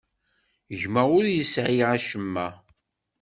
Gma ur yesɛi acemma.